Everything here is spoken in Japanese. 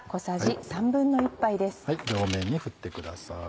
両面にふってください。